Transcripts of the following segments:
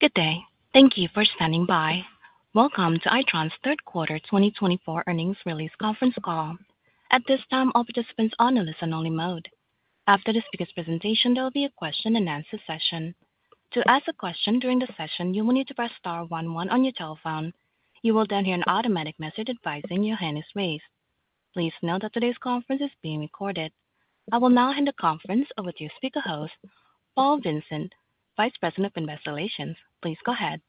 Good day, thank you for standing by. Welcome to Itron's third quarter 2024 earnings release conference call. At this time, all participants are on a listen-only mode. After the speaker's presentation, there will be a question-and-answer session. To ask a question during the session, you will need to press star one one on your telephone. You will then hear an automatic message advising your hand is raised. Please note that today's conference is being recorded. I will now hand the conference over to your speaker host, Paul Vincent, Vice President of Investor Relations. Please go ahead.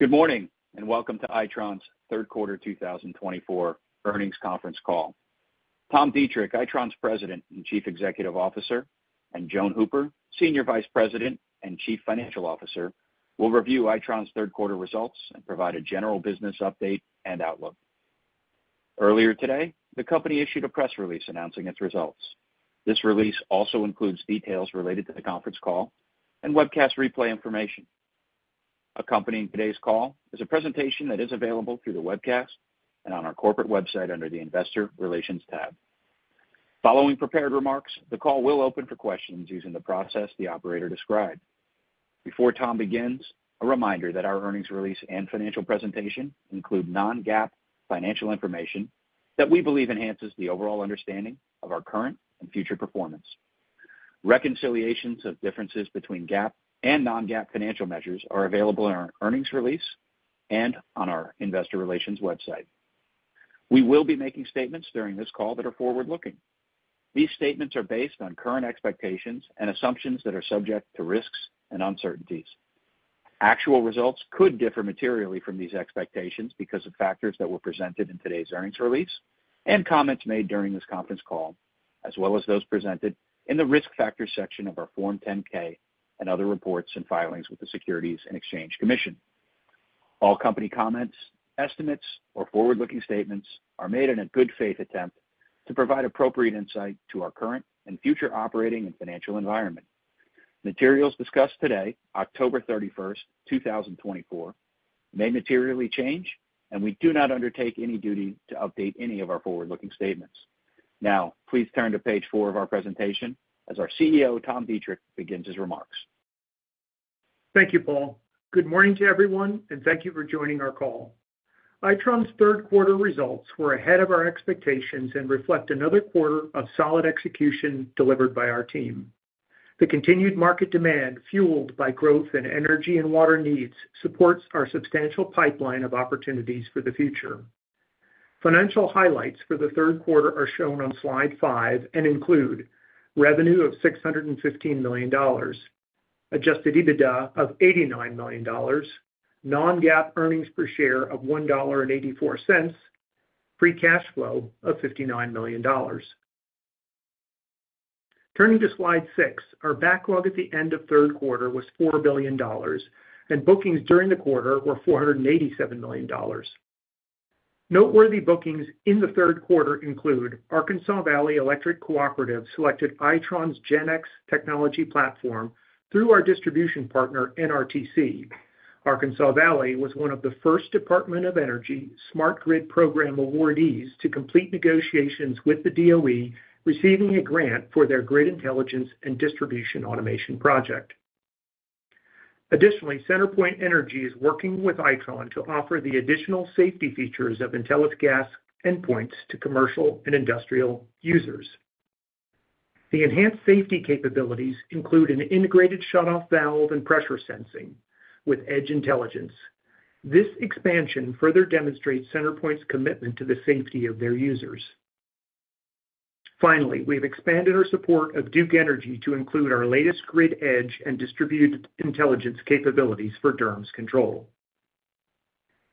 Good morning and welcome to Itron's third quarter 2024 earnings conference call. Tom Deitrich, Itron's President and Chief Executive Officer, and Joan Hooper, Senior Vice President and Chief Financial Officer, will review Itron's third quarter results and provide a general business update and outlook. Earlier today, the company issued a press release announcing its results. This release also includes details related to the conference call and webcast replay information. Accompanying today's call is a presentation that is available through the webcast and on our corporate website under the Investor Relations tab. Following prepared remarks, the call will open for questions using the process the operator described. Before Tom begins, a reminder that our earnings release and financial presentation include non-GAAP financial information that we believe enhances the overall understanding of our current and future performance. Reconciliations of differences between GAAP and non-GAAP financial measures are available in our earnings release and on our Investor Relations website. We will be making statements during this call that are forward-looking. These statements are based on current expectations and assumptions that are subject to risks and uncertainties. Actual results could differ materially from these expectations because of factors that were presented in today's earnings release and comments made during this conference call, as well as those presented in the risk factors section of our Form 10-K and other reports and filings with the Securities and Exchange Commission. All company comments, estimates, or forward-looking statements are made in a good faith attempt to provide appropriate insight to our current and future operating and financial environment. Materials discussed today, October 31st, 2024, may materially change, and we do not undertake any duty to update any of our forward-looking statements. Now, please turn to page four of our presentation as our CEO, Tom Deitrich, begins his remarks. Thank you, Paul. Good morning to everyone, and thank you for joining our call. Itron's third quarter results were ahead of our expectations and reflect another quarter of solid execution delivered by our team. The continued market demand, fueled by growth in energy and water needs, supports our substantial pipeline of opportunities for the future. Financial highlights for the third quarter are shown on slide five and include revenue of $615 million, Adjusted EBITDA of $89 million, non-GAAP earnings per share of $1.84, and free cash flow of $59 million. Turning to slide six, our backlog at the end of third quarter was $4 billion, and bookings during the quarter were $487 million. Noteworthy bookings in the third quarter include Arkansas Valley Electric Cooperative selected Itron's GenX technology platform through our distribution partner, NRTC. Arkansas Valley was one of the first Department of Energy Smart Grid Program awardees to complete negotiations with the DOE, receiving a grant for their grid intelligence and distribution automation project. Additionally, CenterPoint Energy is working with Itron to offer the additional safety features of Intelis Gas endpoints to commercial and industrial users. The enhanced safety capabilities include an integrated shutoff valve and pressure sensing with edge intelligence. This expansion further demonstrates CenterPoint's commitment to the safety of their users. Finally, we have expanded our support of Duke Energy to include our latest grid edge and distributed intelligence capabilities for Durham's control.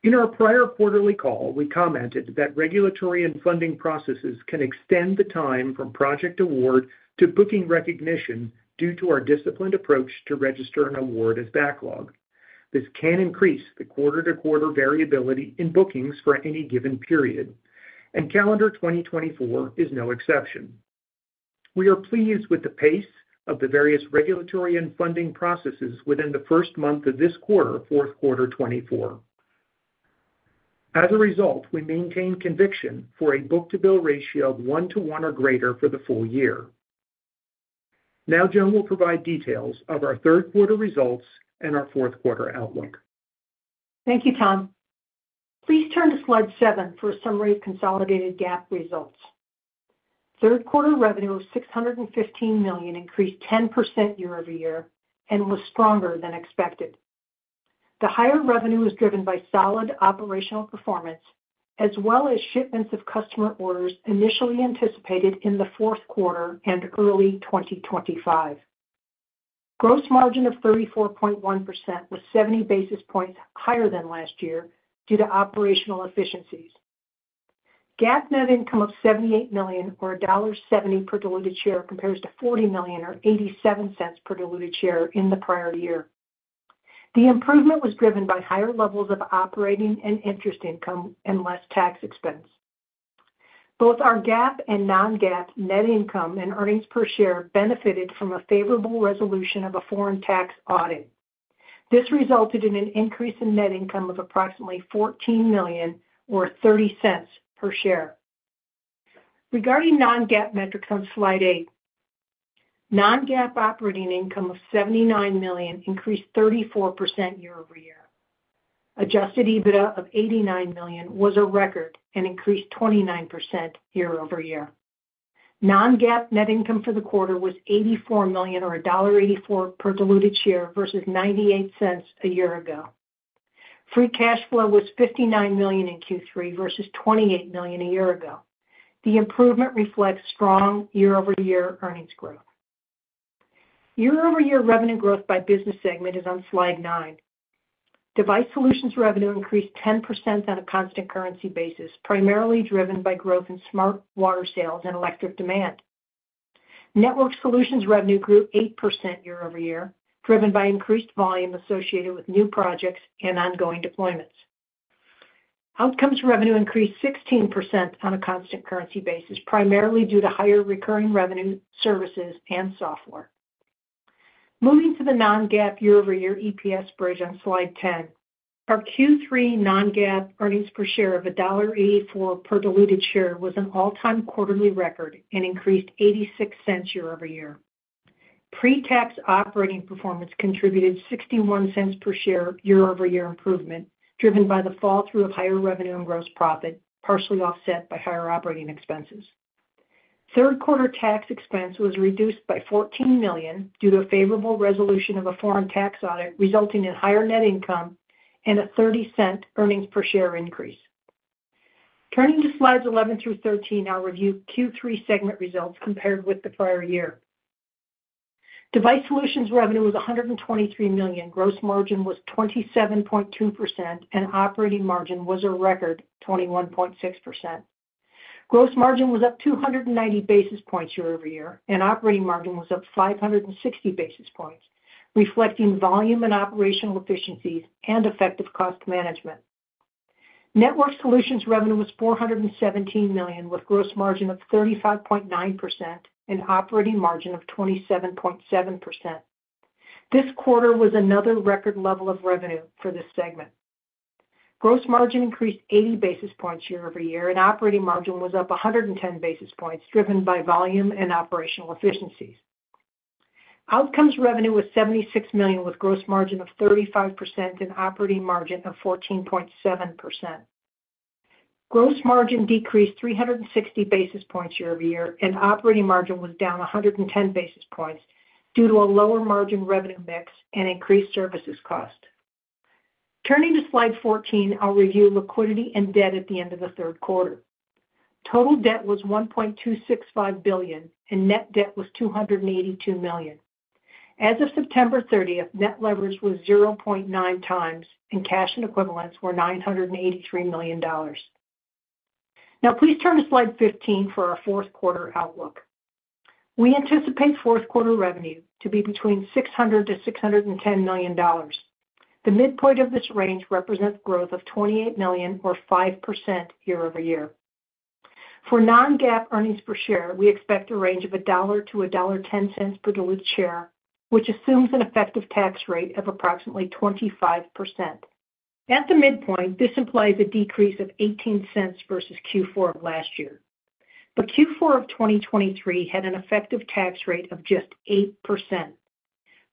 In our prior quarterly call, we commented that regulatory and funding processes can extend the time from project award to booking recognition due to our disciplined approach to register an award as backlog. This can increase the quarter-to-quarter variability in bookings for any given period, and calendar 2024 is no exception. We are pleased with the pace of the various regulatory and funding processes within the first month of this quarter, fourth quarter 2024. As a result, we maintain conviction for a book-to-bill ratio of one to one or greater for the full year. Now, Joan will provide details of our third quarter results and our fourth quarter outlook. Thank you, Tom. Please turn to slide seven for a summary of consolidated GAAP results. Third quarter revenue of $615 million increased 10% year-over-year and was stronger than expected. The higher revenue is driven by solid operational performance, as well as shipments of customer orders initially anticipated in the fourth quarter and early 2025. Gross margin of 34.1% was 70 basis points higher than last year due to operational efficiencies. GAAP net income of $78 million, or $1.70 per diluted share, compares to $40 million, or $0.87 per diluted share in the prior year. The improvement was driven by higher levels of operating and interest income and less tax expense. Both our GAAP and non-GAAP net income and earnings per share benefited from a favorable resolution of a foreign tax audit. This resulted in an increase in net income of approximately $14 million, or $0.30 per share. Regarding non-GAAP metrics on slide eight, non-GAAP operating income of $79 million increased 34% year-over-year. Adjusted EBITDA of $89 million was a record and increased 29% year-over-year. Non-GAAP net income for the quarter was $84 million, or $1.84 per diluted share versus $0.98 a year ago. Free cash flow was $59 million in Q3 versus $28 million a year ago. The improvement reflects strong year-over-year earnings growth. Year-over-year revenue growth by business segment is on slide nine. Device Solutions revenue increased 10% on a constant currency basis, primarily driven by growth in smart water sales and electric demand. Network Solutions revenue grew 8% year-over-year, driven by increased volume associated with new projects and ongoing deployments. Outcomes revenue increased 16% on a constant currency basis, primarily due to higher recurring revenue, services, and software. Moving to the non-GAAP year-over-year EPS bridge on slide 10, our Q3 non-GAAP earnings per share of $1.84 per diluted share was an all-time quarterly record and increased $0.86 year-over-year. Pre-tax operating performance contributed $0.61 per share year-over-year improvement, driven by the flow-through of higher revenue and gross profit, partially offset by higher operating expenses. Third quarter tax expense was reduced by $14 million due to a favorable resolution of a foreign tax audit, resulting in higher net income and a $0.30 earnings per share increase. Turning to slides 11 through 13, I'll review Q3 segment results compared with the prior year. Device Solutions revenue was $123 million, gross margin was 27.2%, and operating margin was a record 21.6%. Gross margin was up 290 basis points year-over-year, and operating margin was up 560 basis points, reflecting volume and operational efficiencies and effective cost management. Network Solutions revenue was $417 million, with gross margin of 35.9% and operating margin of 27.7%. This quarter was another record level of revenue for this segment. Gross margin increased 80 basis points year-over-year, and operating margin was up 110 basis points, driven by volume and operational efficiencies. Outcomes revenue was $76 million, with gross margin of 35% and operating margin of 14.7%. Gross margin decreased 360 basis points year-over-year, and operating margin was down 110 basis points due to a lower margin revenue mix and increased services cost. Turning to slide 14, I'll review liquidity and debt at the end of the third quarter. Total debt was $1.265 billion, and net debt was $282 million. As of September 30th, net leverage was 0.9 times, and cash and equivalents were $983 million. Now, please turn to slide 15 for our fourth quarter outlook. We anticipate fourth quarter revenue to be between $600 million-$610 million. The midpoint of this range represents growth of $28 million, or 5% year-over-year. For non-GAAP earnings per share, we expect a range of $1-$1.10 per diluted share, which assumes an effective tax rate of approximately 25%. At the midpoint, this implies a decrease of $0.18 versus Q4 of last year. But Q4 of 2023 had an effective tax rate of just 8%.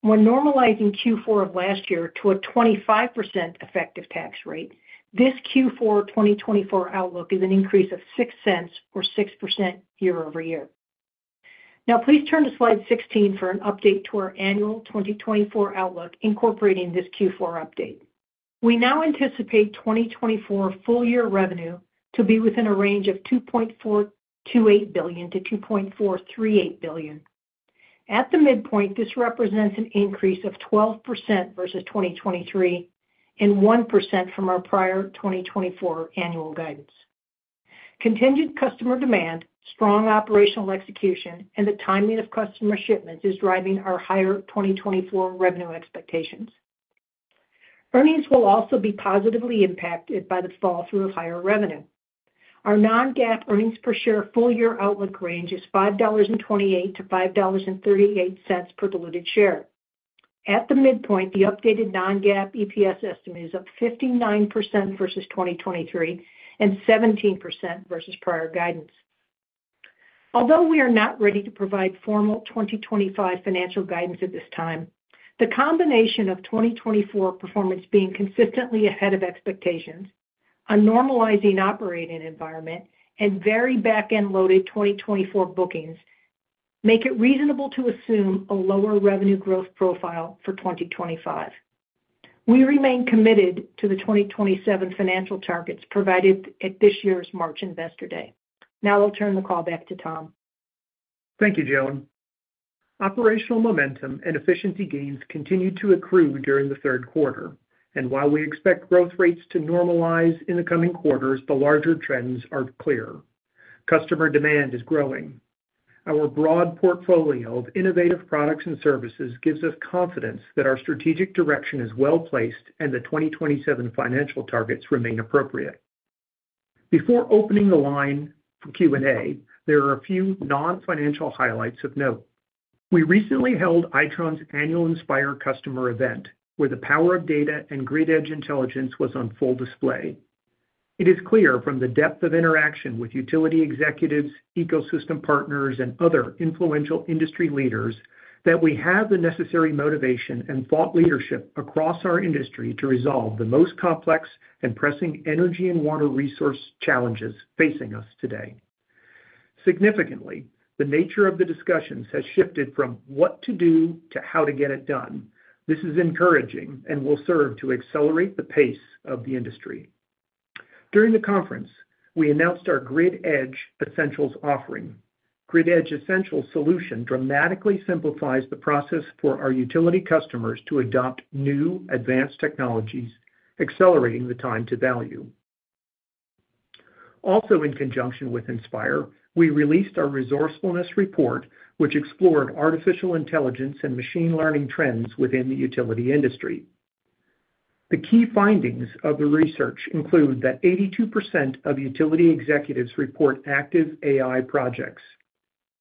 When normalizing Q4 of last year to a 25% effective tax rate, this Q4 2024 outlook is an increase of $0.06, or 6% year-over-year. Now, please turn to slide 16 for an update to our annual 2024 outlook incorporating this Q4 update. We now anticipate 2024 full year revenue to be within a range of $2.428 billion-$2.438 billion. At the midpoint, this represents an increase of 12% versus 2023 and 1% from our prior 2024 annual guidance. Contingent customer demand, strong operational execution, and the timing of customer shipments is driving our higher 2024 revenue expectations. Earnings will also be positively impacted by the fall through of higher revenue. Our non-GAAP earnings per share full year outlook range is $5.28-$5.38 per diluted share. At the midpoint, the updated non-GAAP EPS estimate is up 59% versus 2023 and 17% versus prior guidance. Although we are not ready to provide formal 2025 financial guidance at this time, the combination of 2024 performance being consistently ahead of expectations, a normalizing operating environment, and very back-end loaded 2024 bookings make it reasonable to assume a lower revenue growth profile for 2025. We remain committed to the 2027 financial targets provided at this year's March Investor Day. Now, I'll turn the call back to Tom. Thank you, Joan. Operational momentum and efficiency gains continued to accrue during the third quarter, and while we expect growth rates to normalize in the coming quarters, the larger trends are clear. Customer demand is growing. Our broad portfolio of innovative products and services gives us confidence that our strategic direction is well placed and the 2027 financial targets remain appropriate. Before opening the line for Q&A, there are a few non-financial highlights of note. We recently held Itron's annual Inspire Customer Event, where the power of data and grid edge intelligence was on full display. It is clear from the depth of interaction with utility executives, ecosystem partners, and other influential industry leaders that we have the necessary motivation and thought leadership across our industry to resolve the most complex and pressing energy and water resource challenges facing us today. Significantly, the nature of the discussions has shifted from what to do to how to get it done. This is encouraging and will serve to accelerate the pace of the industry. During the conference, we announced our Grid Edge Essentials offering. Grid Edge Essentials solution dramatically simplifies the process for our utility customers to adopt new advanced technologies, accelerating the time to value. Also, in conjunction with Inspire, we released our Resourcefulness Report, which explored artificial intelligence and machine learning trends within the utility industry. The key findings of the research include that 82% of utility executives report active AI projects.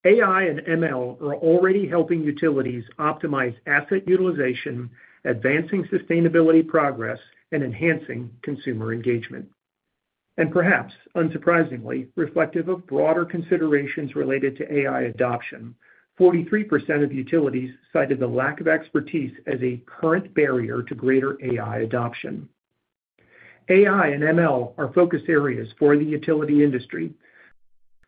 AI and ML are already helping utilities optimize asset utilization, advancing sustainability progress, and enhancing consumer engagement. And perhaps unsurprisingly, reflective of broader considerations related to AI adoption, 43% of utilities cited the lack of expertise as a current barrier to greater AI adoption. AI and ML are focus areas for the utility industry,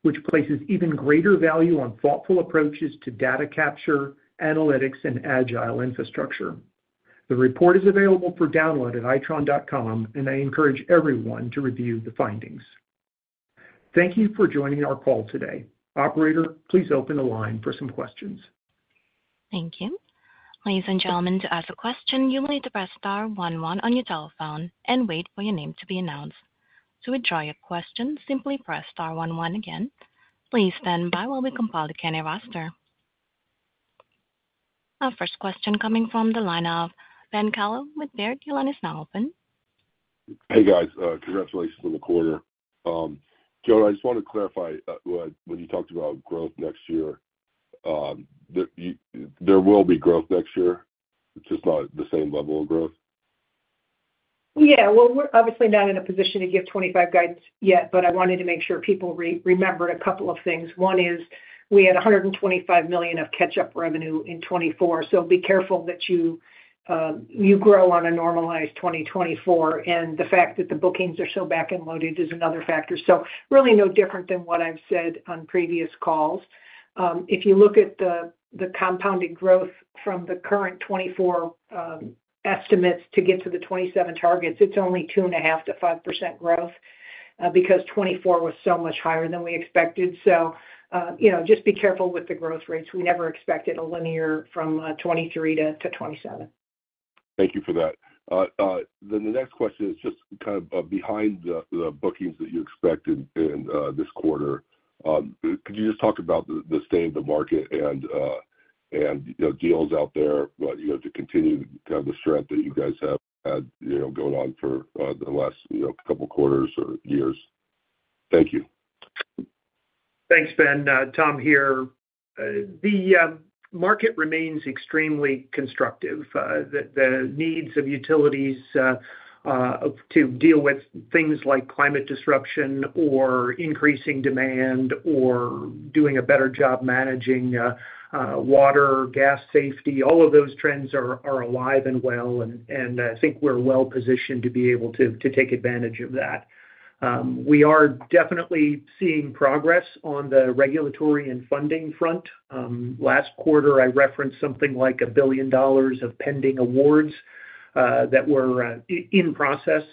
which places even greater value on thoughtful approaches to data capture, analytics, and agile infrastructure. The report is available for download at Itron.com, and I encourage everyone to review the findings. Thank you for joining our call today. Operator, please open the line for some questions. Thank you. Ladies and gentlemen, to ask a question, you'll need to press star one one on your telephone and wait for your name to be announced. To withdraw your question, simply press star one one again. Please stand by while we compile the Q&A roster. Our first question coming from the line of Ben Kallo with Baird is now open. Hey, guys. Congratulations on the quarter. Joan, I just want to clarify when you talked about growth next year, there will be growth next year. It's just not the same level of growth. Yeah. Well, we're obviously not in a position to give 2025 guidance yet, but I wanted to make sure people remembered a couple of things. One is we had $125 million of catch-up revenue in 2024, so be careful that you grow on a normalized 2024. And the fact that the bookings are so back-end loaded is another factor. So really no different than what I've said on previous calls. If you look at the compounding growth from the current 2024 estimates to get to the 2027 targets, it's only 2.5%-5% growth because 2024 was so much higher than we expected. So just be careful with the growth rates. We never expected a linear from 2023 to 2027. Thank you for that. Then the next question is just kind of behind the bookings that you expected in this quarter. Could you just talk about the state of the market and deals out there to continue kind of the strength that you guys have had going on for the last couple of quarters or years? Thank you. Thanks, Ben. Tom here. The market remains extremely constructive. The needs of utilities to deal with things like climate disruption or increasing demand or doing a better job managing water, gas safety, all of those trends are alive and well. And I think we're well positioned to be able to take advantage of that. We are definitely seeing progress on the regulatory and funding front. Last quarter, I referenced something like $1 billion of pending awards that were in process.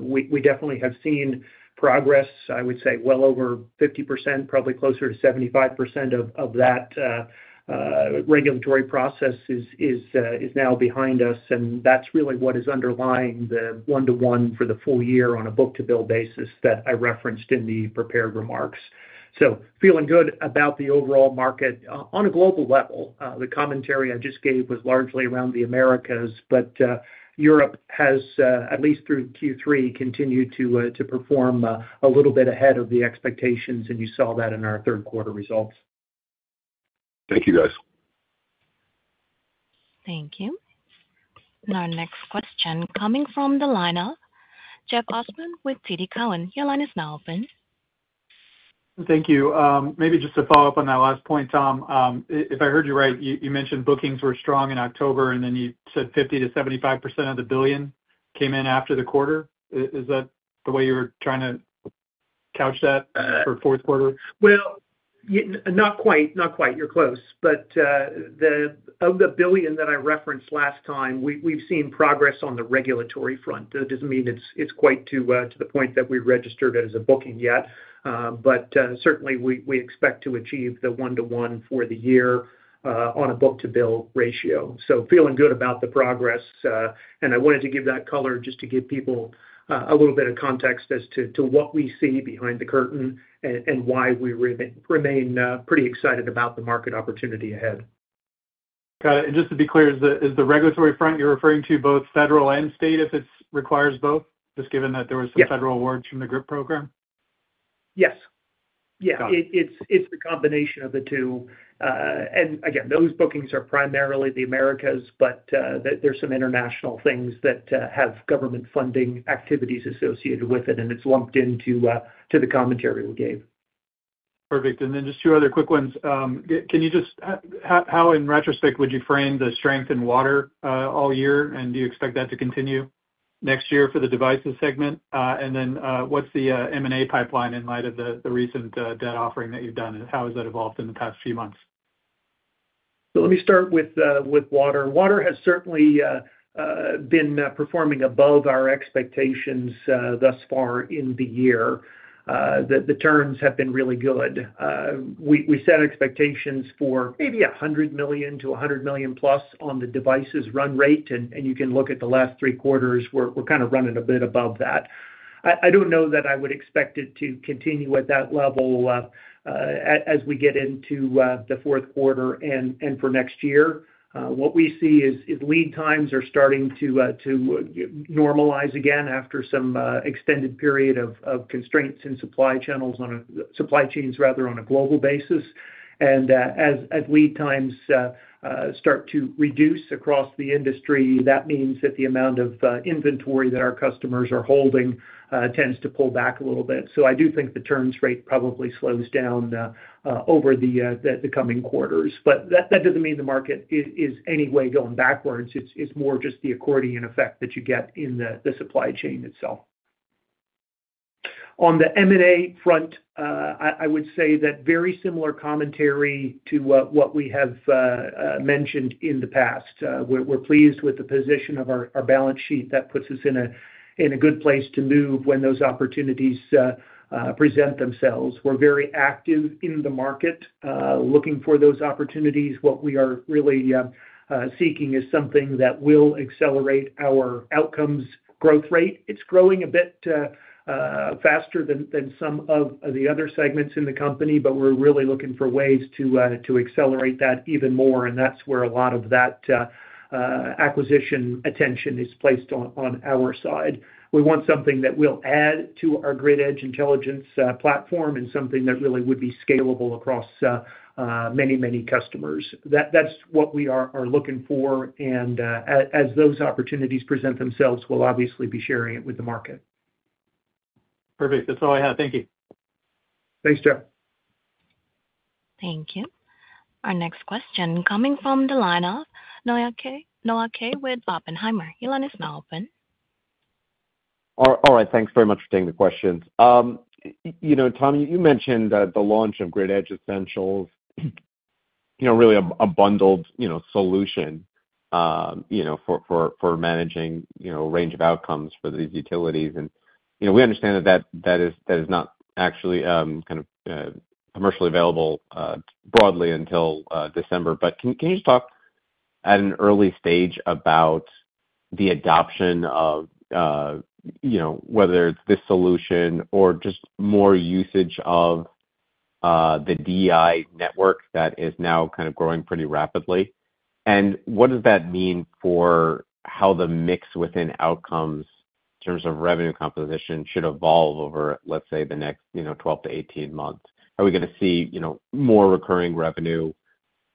We definitely have seen progress. I would say well over 50%, probably closer to 75% of that regulatory process is now behind us. And that's really what is underlying the one-to-one for the full year on a book-to-bill basis that I referenced in the prepared remarks. So feeling good about the overall market. On a global level, the commentary I just gave was largely around the Americas, but Europe has, at least through Q3, continued to perform a little bit ahead of the expectations, and you saw that in our third quarter results. Thank you, guys. Thank you. Our next question coming from the line of Jeff Osborne with TD Cowen. Your line is now open. Thank you. Maybe just to follow up on that last point, Tom, if I heard you right, you mentioned bookings were strong in October, and then you said 50%-75% of the billion came in after the quarter. Is that the way you're trying to couch that for fourth quarter? Not quite. Not quite. You're close. But of the $1 billion that I referenced last time, we've seen progress on the regulatory front. That doesn't mean it's quite to the point that we registered it as a booking yet, but certainly we expect to achieve the one-to-one for the year on a book-to-bill ratio. Feeling good about the progress. I wanted to give that color just to give people a little bit of context as to what we see behind the curtain and why we remain pretty excited about the market opportunity ahead. Got it. And just to be clear, is the regulatory front you're referring to both federal and state if it requires both, just given that there were some federal awards from the GRIP program? Yes. Yeah. It's the combination of the two. And again, those bookings are primarily the Americas, but there's some international things that have government funding activities associated with it, and it's lumped into the commentary we gave. Perfect. And then just two other quick ones. How in retrospect would you frame the strength in water all year, and do you expect that to continue next year for the Devices segment? And then what's the M&A pipeline in light of the recent debt offering that you've done, and how has that evolved in the past few months? Let me start with water. Water has certainly been performing above our expectations thus far in the year. The turns have been really good. We set expectations for maybe $100 million-$100 million+ on the Devices run rate, and you can look at the last three quarters. We're kind of running a bit above that. I don't know that I would expect it to continue at that level as we get into the fourth quarter and for next year. What we see is lead times are starting to normalize again after some extended period of constraints in supply chains on a global basis. As lead times start to reduce across the industry, that means that the amount of inventory that our customers are holding tends to pull back a little bit. So I do think the turns rate probably slows down over the coming quarters. But that doesn't mean the market is any way going backwards. It's more just the accordion effect that you get in the supply chain itself. On the M&A front, I would say that very similar commentary to what we have mentioned in the past. We're pleased with the position of our balance sheet. That puts us in a good place to move when those opportunities present themselves. We're very active in the market looking for those opportunities. What we are really seeking is something that will accelerate our outcomes growth rate. It's growing a bit faster than some of the other segments in the company, but we're really looking for ways to accelerate that even more. And that's where a lot of that acquisition attention is placed on our side. We want something that will add to our Grid Edge Intelligence platform and something that really would be scalable across many, many customers. That's what we are looking for, and as those opportunities present themselves, we'll obviously be sharing it with the market. Perfect. That's all I have. Thank you. Thanks, Jeff. Thank you. Our next question coming from the line of Noah Kaye with Oppenheimer. Your line is now open. All right. Thanks very much for taking the questions. Tom, you mentioned the launch of Grid Edge Essentials, really a bundled solution for managing a range of outcomes for these utilities. We understand that that is not actually kind of commercially available broadly until December. But can you just talk at an early stage about the adoption of whether it's this solution or just more usage of the DI network that is now kind of growing pretty rapidly? And what does that mean for how the mix within outcomes in terms of revenue composition should evolve over, let's say, the next 12-18 months? Are we going to see more recurring revenue,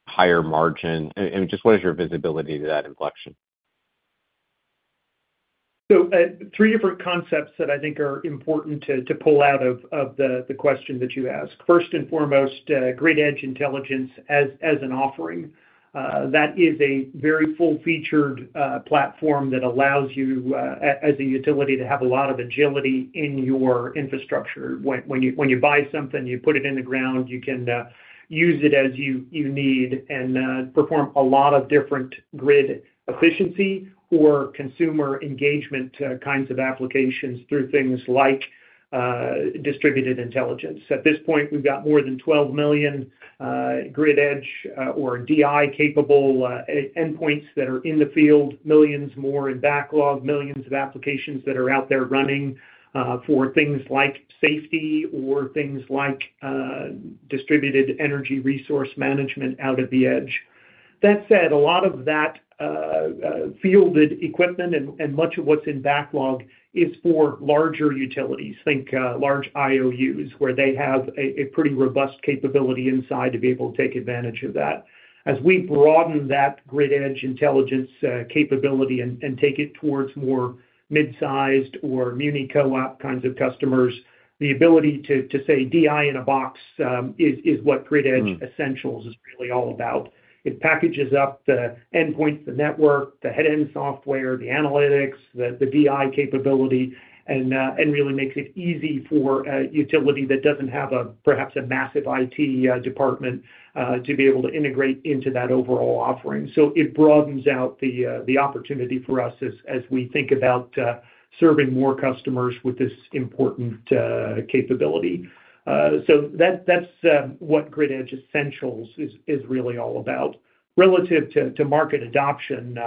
higher margin? And just what is your visibility to that inflection? So three different concepts that I think are important to pull out of the question that you ask. First and foremost, Grid Edge Intelligence as an offering. That is a very full-featured platform that allows you as a utility to have a lot of agility in your infrastructure. When you buy something, you put it in the ground, you can use it as you need and perform a lot of different grid efficiency or consumer engagement kinds of applications through things like distributed intelligence. At this point, we've got more than 12 million grid edge or DI-capable endpoints that are in the field, millions more in backlog, millions of applications that are out there running for things like safety or things like distributed energy resource management out of the edge. That said, a lot of that fielded equipment and much of what's in backlog is for larger utilities. Think large IOUs where they have a pretty robust capability inside to be able to take advantage of that. As we broaden that grid edge intelligence capability and take it towards more mid-sized or muni co-op kinds of customers, the ability to say DI in a box is what Grid Edge Essentials is really all about. It packages up the endpoints, the network, the head-end software, the analytics, the DI capability, and really makes it easy for a utility that doesn't have perhaps a massive IT department to be able to integrate into that overall offering, so it broadens out the opportunity for us as we think about serving more customers with this important capability, so that's what Grid Edge Essentials is really all about. Relative to market adoption,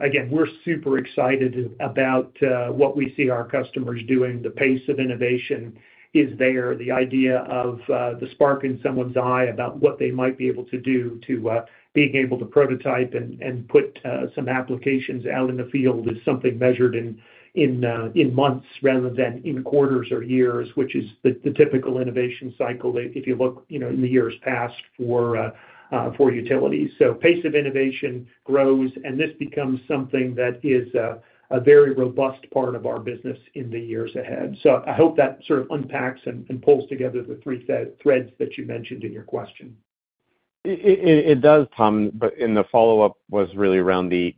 again, we're super excited about what we see our customers doing. The pace of innovation is there. The idea of the spark in someone's eye about what they might be able to do to being able to prototype and put some applications out in the field is something measured in months rather than in quarters or years, which is the typical innovation cycle if you look in the years past for utilities. Pace of innovation grows, and this becomes something that is a very robust part of our business in the years ahead. I hope that sort of unpacks and pulls together the three threads that you mentioned in your question. It does, Tom, but the follow-up was really around the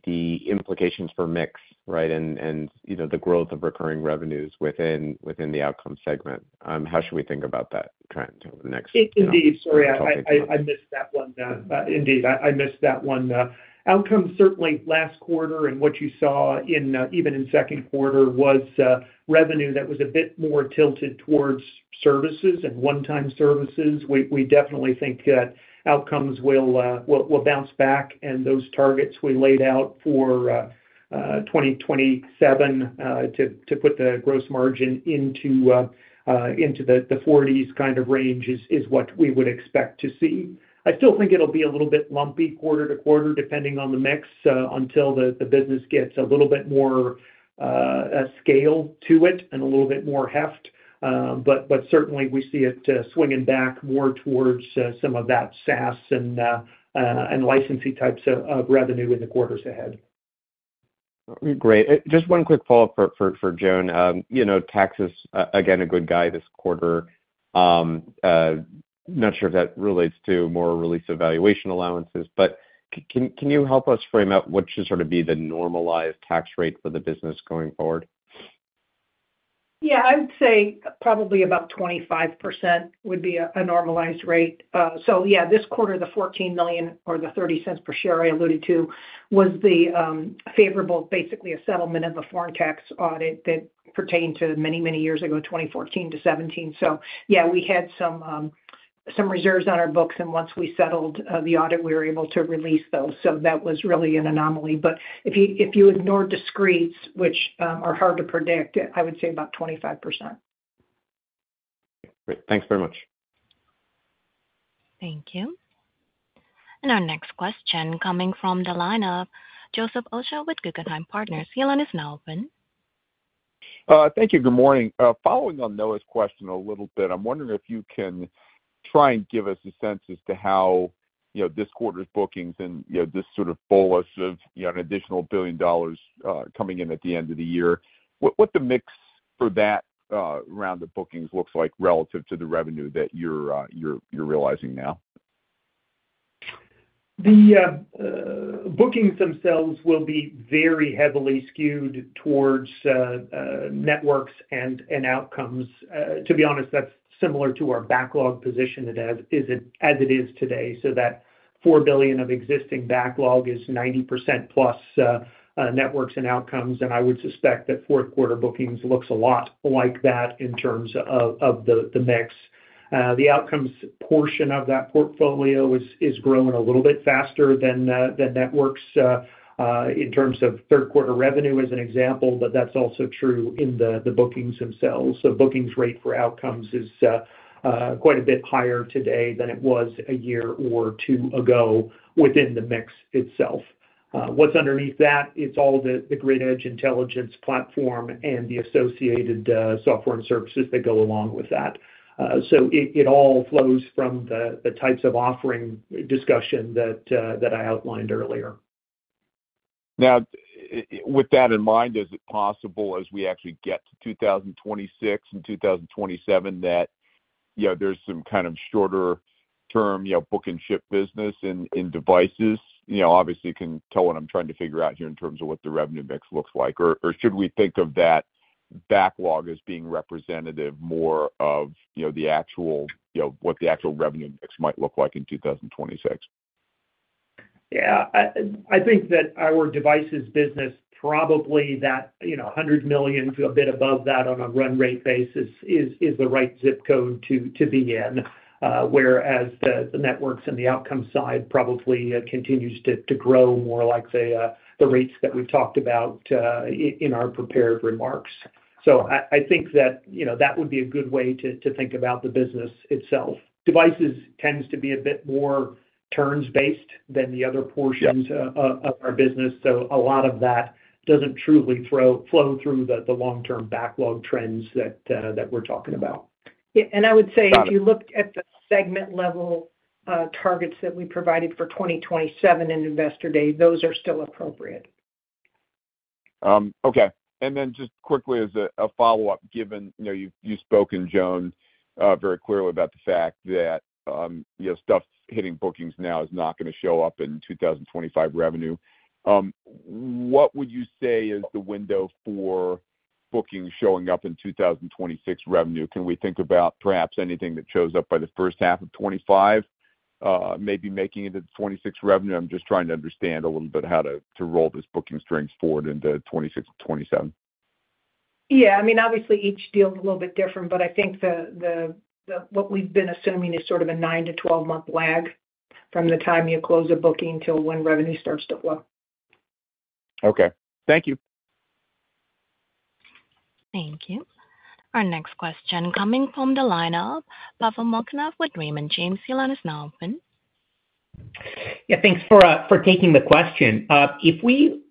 implications for mix, right, and the growth of recurring revenues within the Outcomes segment. How should we think about that trend over the next few months? Indeed. Sorry, I missed that one. Outcomes certainly last quarter, and what you saw even in second quarter was revenue that was a bit more tilted towards services and one-time services. We definitely think that Outcomes will bounce back, and those targets we laid out for 2027 to put the gross margin into the 40s kind of range is what we would expect to see. I still think it'll be a little bit lumpy quarter to quarter depending on the mix until the business gets a little bit more scale to it and a little bit more heft. But certainly, we see it swinging back more towards some of that SaaS and licensee types of revenue in the quarters ahead. Great. Just one quick follow-up for Joan. Tax is, again, a good guy this quarter. Not sure if that relates to more release of valuation allowances, but can you help us frame out what should sort of be the normalized tax rate for the business going forward? Yeah. I would say probably about 25% would be a normalized rate. So yeah, this quarter, the $14 million or the $0.30 per share I alluded to was the favorable, basically a settlement of the foreign tax audit that pertained to many, many years ago, 2014 to 2017. So yeah, we had some reserves on our books, and once we settled the audit, we were able to release those. So that was really an anomaly. But if you ignore discretes, which are hard to predict, I would say about 25%. Great. Thanks very much. Thank you. And our next question coming from the line of Joseph Osha with Guggenheim Partners. Your line is now open. Thank you. Good morning. Following on Noah's question a little bit, I'm wondering if you can try and give us a sense as to how this quarter's bookings and this sort of bolus of an additional $1 billion coming in at the end of the year, what the mix for that round of bookings looks like relative to the revenue that you're realizing now? The bookings themselves will be very heavily skewed towards networks and outcomes. To be honest, that's similar to our backlog position as it is today. So that $4 billion of existing backlog is 90%+ networks and outcomes, and I would suspect that fourth quarter bookings looks a lot like that in terms of the mix. The outcomes portion of that portfolio is growing a little bit faster than networks in terms of third quarter revenue as an example, but that's also true in the bookings themselves. So bookings rate for outcomes is quite a bit higher today than it was a year or two ago within the mix itself. What's underneath that? It's all the Grid Edge Intelligence platform and the associated software and services that go along with that. So it all flows from the types of offering discussion that I outlined earlier. Now, with that in mind, is it possible as we actually get to 2026 and 2027 that there's some kind of shorter-term book and ship business in Devices? Obviously, you can tell what I'm trying to figure out here in terms of what the revenue mix looks like. Or should we think of that backlog as being representative more of what the actual revenue mix might look like in 2026? Yeah. I think that our Devices business, probably that $100 million to a bit above that on a run rate basis is the right zip code to be in, whereas the networks and the outcome side probably continues to grow more like the rates that we've talked about in our prepared remarks. So I think that that would be a good way to think about the business itself. Devices tends to be a bit more turns-based than the other portions of our business. So a lot of that doesn't truly flow through the long-term backlog trends that we're talking about. Yeah. And I would say if you look at the segment-level targets that we provided for 2027 and Investor Day, those are still appropriate. Okay. And then just quickly as a follow-up, given you've spoken, Joan, very clearly about the fact that stuff hitting bookings now is not going to show up in 2025 revenue. What would you say is the window for bookings showing up in 2026 revenue? Can we think about perhaps anything that shows up by the first half of 2025, maybe making it into 2026 revenue? I'm just trying to understand a little bit how to roll this booking strength forward into 2026 and 2027. Yeah. I mean, obviously, each deal is a little bit different, but I think what we've been assuming is sort of a 9-12-month lag from the time you close a booking to when revenue starts to flow. Okay. Thank you. Thank you. Our next question coming from the line of Pavel Molchanov with Raymond James. Your line is now open. Yeah. Thanks for taking the question. If we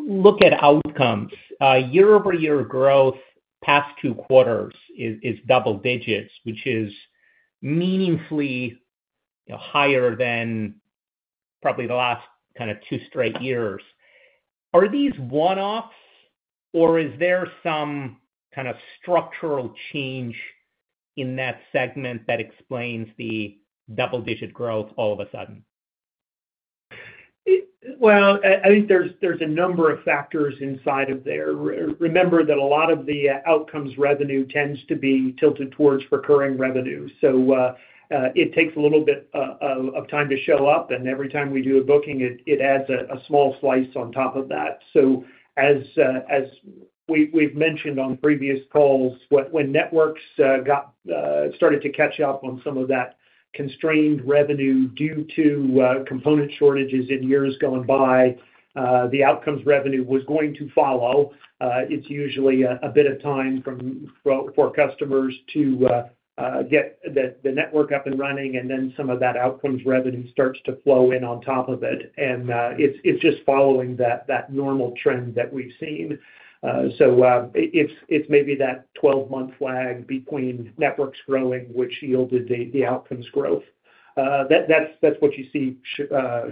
look at outcomes, year-over-year growth past two quarters is double digits, which is meaningfully higher than probably the last kind of two straight years. Are these one-offs, or is there some kind of structural change in that segment that explains the double-digit growth all of a sudden? I think there's a number of factors inside of there. Remember that a lot of the Outcomes revenue tends to be tilted towards recurring revenue. So it takes a little bit of time to show up, and every time we do a booking, it adds a small slice on top of that. So as we've mentioned on previous calls, when Networks started to catch up on some of that constrained revenue due to component shortages in years gone by, the Outcomes revenue was going to follow. It's usually a bit of time for customers to get the network up and running, and then some of that Outcomes revenue starts to flow in on top of it. And it's just following that normal trend that we've seen. So it's maybe that 12-month lag between Networks growing, which yielded the Outcomes growth. That's what you see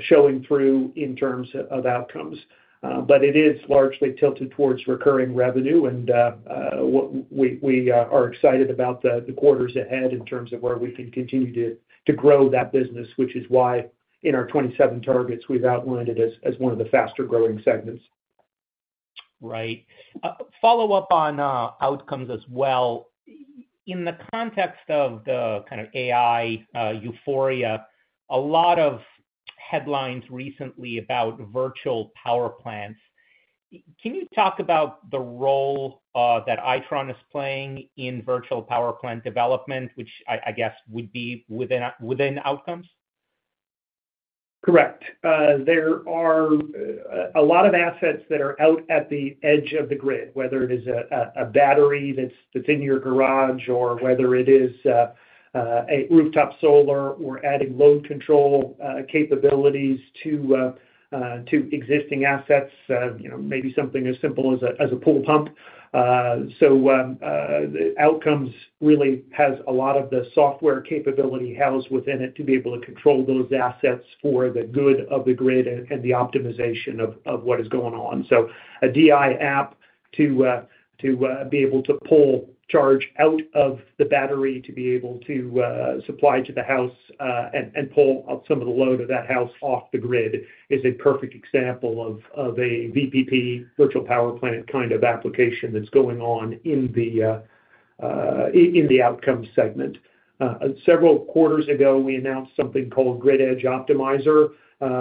showing through in terms of Outcomes. But it is largely tilted towards recurring revenue, and we are excited about the quarters ahead in terms of where we can continue to grow that business, which is why in our 27 targets, we've outlined it as one of the faster-growing segments. Right. Follow-up on Outcomes as well. In the context of the kind of AI euphoria, a lot of headlines recently about virtual power plants. Can you talk about the role that Itron is playing in virtual power plant development, which I guess would be within outcomes? Correct. There are a lot of assets that are out at the edge of the grid, whether it is a battery that's in your garage or whether it is a rooftop solar or adding load control capabilities to existing assets, maybe something as simple as a pool pump. So Outcomes really has a lot of the software capability housed within it to be able to control those assets for the good of the grid and the optimization of what is going on. So a DI app to be able to pull charge out of the battery to be able to supply to the house and pull some of the load of that house off the grid is a perfect example of a VPP virtual power plant kind of application that's going on in the Outcomes segment. Several quarters ago, we announced something called Grid Edge Optimizer,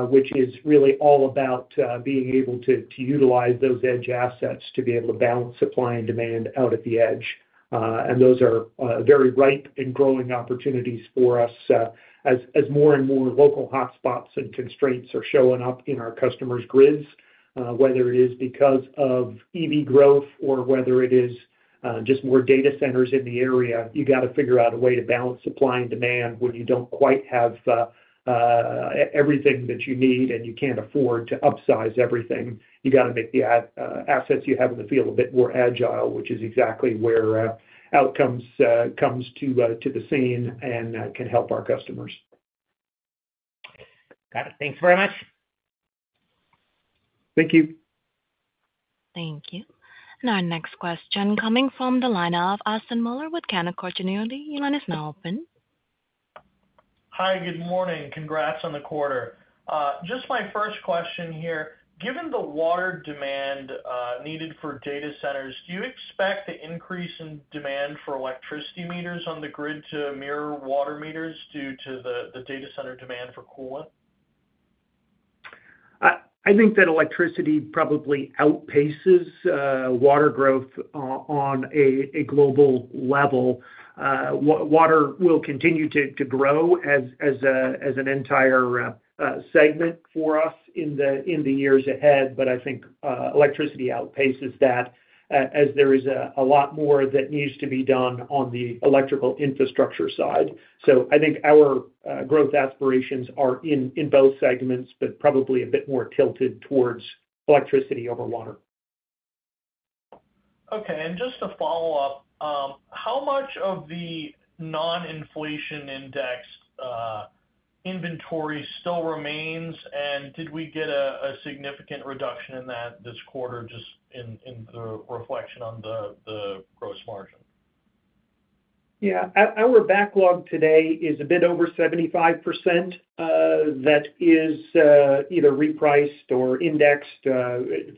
which is really all about being able to utilize those edge assets to be able to balance supply and demand out at the edge. Those are very ripe and growing opportunities for us as more and more local hotspots and constraints are showing up in our customers' grids, whether it is because of EV growth or whether it is just more data centers in the area. You got to figure out a way to balance supply and demand when you don't quite have everything that you need and you can't afford to upsize everything. You got to make the assets you have in the field a bit more agile, which is exactly where Outcomes comes to the scene and can help our customers. Got it. Thanks very much. Thank you. Thank you. And our next question coming from the line of Austin Moeller with Canaccord Genuity. Your line is now open. Hi. Good morning. Congrats on the quarter. Just my first question here. Given the water demand needed for data centers, do you expect the increase in demand for electricity meters on the grid to mirror water meters due to the data center demand for coolant? I think that electricity probably outpaces water growth on a global level. Water will continue to grow as an entire segment for us in the years ahead, but I think electricity outpaces that as there is a lot more that needs to be done on the electrical infrastructure side, so I think our growth aspirations are in both segments, but probably a bit more tilted towards electricity over water. Okay. And just to follow up, how much of the non-inflation index inventory still remains, and did we get a significant reduction in that this quarter just in the reflection on the gross margin? Yeah. Our backlog today is a bit over 75%. That is either repriced or indexed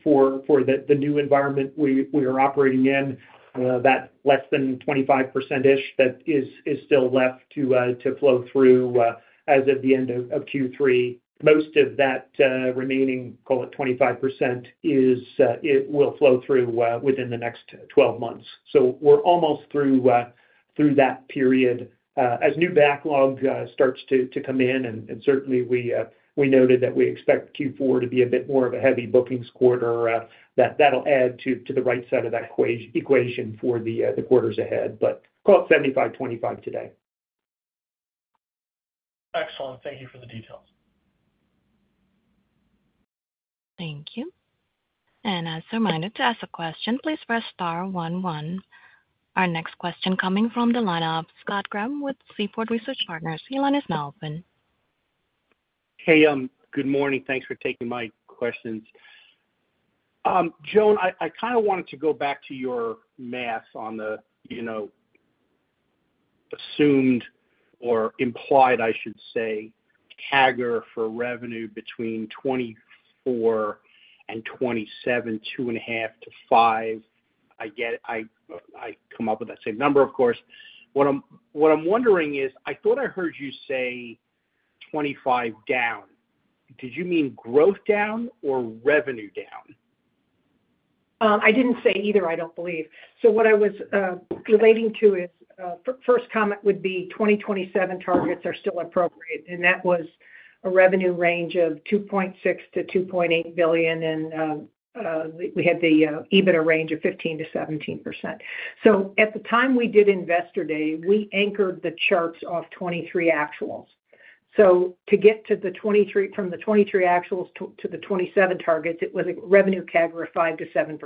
for the new environment we are operating in. That less than 25%-ish that is still left to flow through as of the end of Q3. Most of that remaining, call it 25%, will flow through within the next 12 months. So we're almost through that period. As new backlog starts to come in, and certainly, we noted that we expect Q4 to be a bit more of a heavy bookings quarter, that'll add to the right side of that equation for the quarters ahead. But call it 75/25 today. Excellent. Thank you for the details. Thank you. And as a reminder to ask a question, please press star one one. Our next question comes from the line of Scott Graham with Seaport Research Partners. Your line is now open. Hey. Good morning. Thanks for taking my questions. Joan, I kind of wanted to go back to your math on the assumed or implied, I should say, CAGR for revenue between 2024 and 2027, 2.5%-5%. I come up with that same number, of course. What I'm wondering is I thought I heard you say 2025 down. Did you mean growth down or revenue down? I didn't say either, I don't believe. So what I was relating to is first comment would be 2027 targets are still appropriate, and that was a revenue range of $2.6 billion-$2.8 billion, and we had the EBITDA range of 15%-17%. So at the time we did Investor Day, we anchored the charts off 2023 actuals. So to get from the 2023 actuals to the 2027 targets, it was a revenue CAGR of 5%-7%.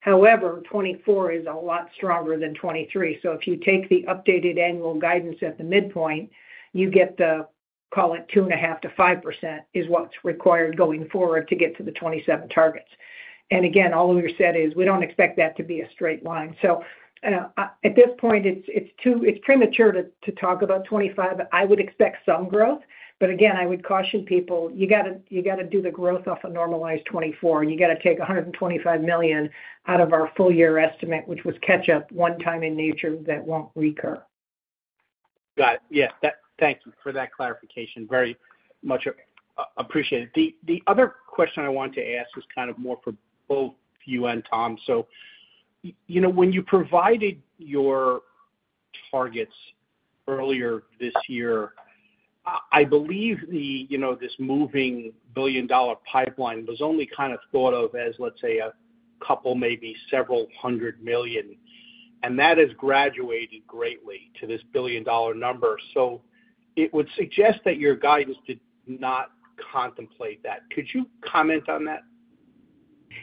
However, 2024 is a lot stronger than 2023. So if you take the updated annual guidance at the midpoint, you get the, call it 2.5%-5% is what's required going forward to get to the 2027 targets. And again, all we've said is we don't expect that to be a straight line. So at this point, it's premature to talk about 2025. I would expect some growth, but again, I would caution people, you got to do the growth off a normalized 2024. You got to take $125 million out of our full year estimate, which was catch-up one-time in nature that won't recur. Got it. Yeah. Thank you for that clarification. Very much appreciated. The other question I wanted to ask was kind of more for both you and Tom. So when you provided your targets earlier this year, I believe this multi-billion-dollar pipeline was only kind of thought of as, let's say, a couple, maybe several hundred million, and that has grown greatly to this billion-dollar number. So it would suggest that your guidance did not contemplate that. Could you comment on that?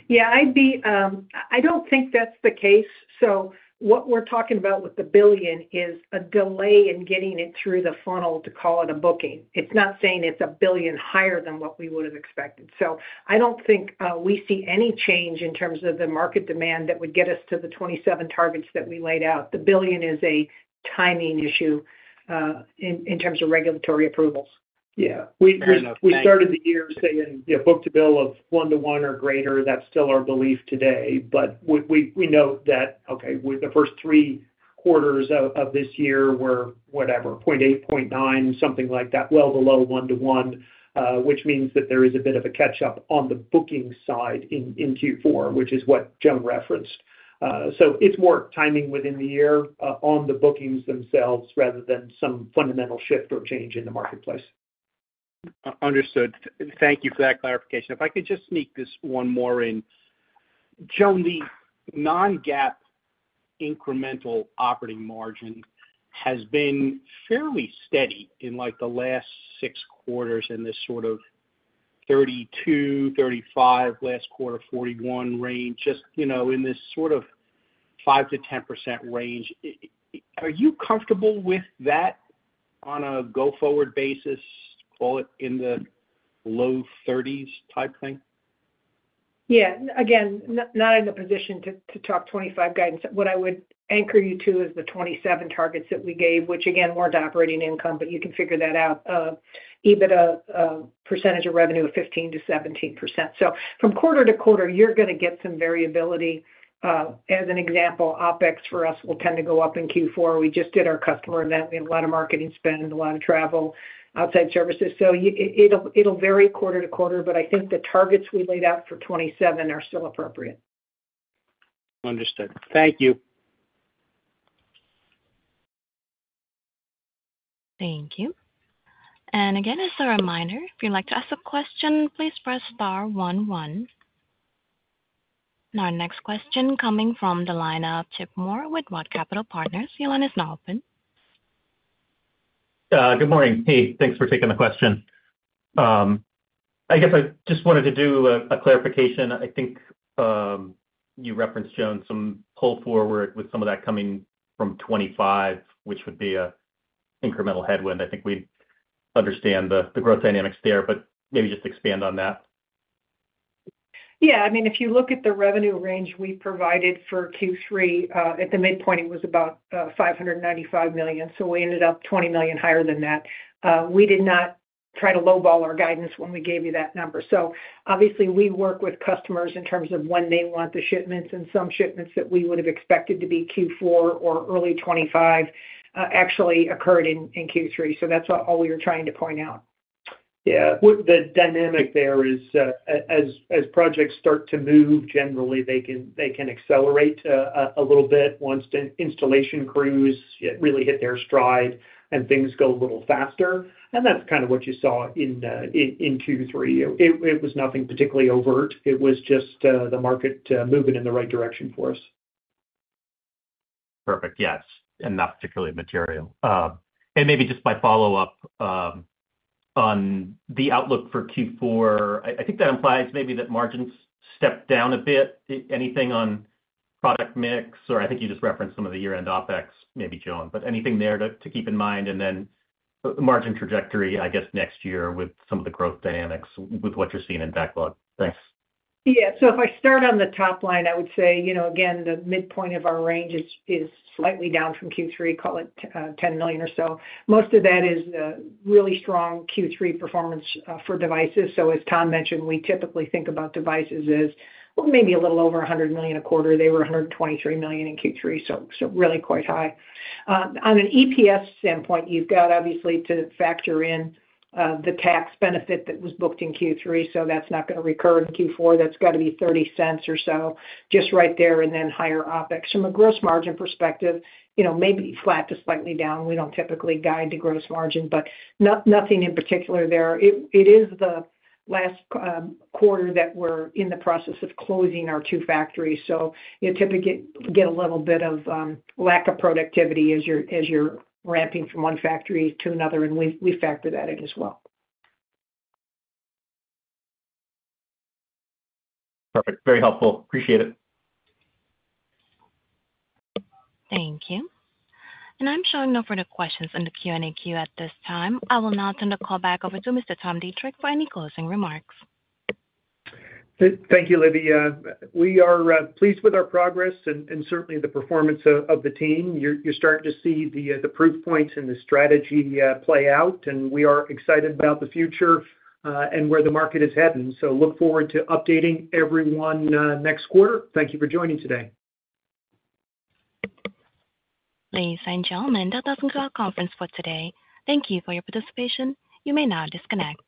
Yeah. I don't think that's the case. So what we're talking about with the billion is a delay in getting it through the funnel to call it a booking. It's not saying it's a billion higher than what we would have expected. So I don't think we see any change in terms of the market demand that would get us to the 2027 targets that we laid out. The billion is a timing issue in terms of regulatory approvals. Yeah. We started the year saying book-to-bill of one-to-one or greater. That's still our belief today. But we note that, okay, the first three quarters of this year were whatever, 0.8, 0.9, something like that, well below one-to-one, which means that there is a bit of a catch-up on the booking side in Q4, which is what Joan referenced. So it's more timing within the year on the bookings themselves rather than some fundamental shift or change in the marketplace. Understood. Thank you for that clarification. If I could just sneak this one more in. Joan, the non-GAAP incremental operating margin has been fairly steady in the last six quarters in this sort of 32, 35, last quarter 41 range, just in this sort of 5%-10% range. Are you comfortable with that on a go-forward basis, call it in the low 30s type thing? Yeah. Again, not in a position to talk 2025 guidance. What I would anchor you to is the 2027 targets that we gave, which again, weren't operating income, but you can figure that out. EBITDA percentage of revenue of 15%-17%. So from quarter to quarter, you're going to get some variability. As an example, OpEx for us will tend to go up in Q4. We just did our customer event. We had a lot of marketing spend, a lot of travel, outside services. So it'll vary quarter to quarter, but I think the targets we laid out for 2027 are still appropriate. Understood. Thank you. Thank you. And again, as a reminder, if you'd like to ask a question, please press star one one. And our next question coming from the line of Chip Moore with Roth Capital Partners. Your line is now open. Good morning. Thanks for taking the question. I guess I just wanted to do a clarification. I think you referenced, Joan, some pull forward with some of that coming from 2025, which would be an incremental headwind. I think we understand the growth dynamics there, but maybe just expand on that. Yeah. I mean, if you look at the revenue range we provided for Q3, at the midpoint, it was about $595 million. So we ended up $20 million higher than that. We did not try to lowball our guidance when we gave you that number. So obviously, we work with customers in terms of when they want the shipments, and some shipments that we would have expected to be Q4 or early 2025 actually occurred in Q3. So that's all we were trying to point out. Yeah. The dynamic there is as projects start to move, generally, they can accelerate a little bit once the installation crews really hit their stride and things go a little faster. And that's kind of what you saw in Q3. It was nothing particularly overt. It was just the market moving in the right direction for us. Perfect. Yes. And not particularly material. And maybe just my follow-up on the outlook for Q4, I think that implies maybe that margins stepped down a bit. Anything on product mix? Or I think you just referenced some of the year-end OpEx, maybe, Joan, but anything there to keep in mind? And then margin trajectory, I guess, next year with some of the growth dynamics with what you're seeing in backlog. Thanks. Yeah. So if I start on the top line, I would say, again, the midpoint of our range is slightly down from Q3, call it $10 million or so. Most of that is really strong Q3 performance for devices. So as Tom mentioned, we typically think about devices as maybe a little over $100 million a quarter. They were $123 million in Q3, so really quite high. On an EPS standpoint, you've got obviously to factor in the tax benefit that was booked in Q3, so that's not going to recur in Q4. That's got to be $0.30 or so just right there and then higher OpEx. From a gross margin perspective, maybe flat to slightly down. We don't typically guide to gross margin, but nothing in particular there. It is the last quarter that we're in the process of closing our two factories. So you typically get a little bit of lack of productivity as you're ramping from one factory to another, and we factor that in as well. Perfect. Very helpful. Appreciate it. Thank you. And I'm showing no further questions in the Q&A queue at this time. I will now turn the call back over to Mr. Tom Deitrich for any closing remarks. Thank you, Olivia. We are pleased with our progress and certainly the performance of the team. You're starting to see the proof points and the strategy play out, and we are excited about the future and where the market is heading. So look forward to updating everyone next quarter. Thank you for joining today. Ladies and gentlemen, that concludes our conference for today. Thank you for your participation. You may now disconnect.